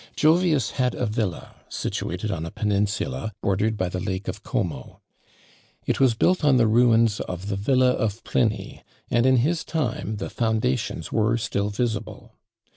Jovius had a villa, situated on a peninsula, bordered by the Lake of Como. It was built on the ruins of the villa of Pliny, and in his time the foundations were still visible.